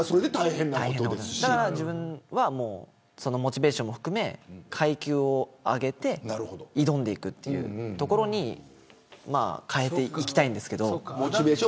だから、自分はそのモチベーションも含めて階級を上げて挑んでいくというところに変えていきたいんですけど。